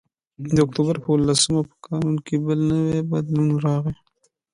د اکتوبر په اوولسمه په قانون کې بل نوی بدلون راغی